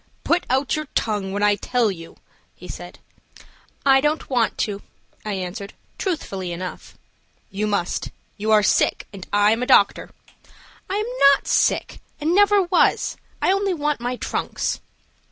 "Put out your tongue when I tell you," he said. "I don't want to," I answered, truthfully enough. "You must. You are sick, and I am a doctor." "I am not sick and never was. I only want my trunks."